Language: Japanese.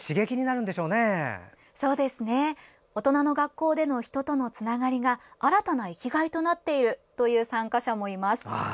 大人の学校での人とのつながりが新たな生きがいとなっているという参加者もいます。